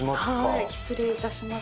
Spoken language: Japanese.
はい失礼いたします。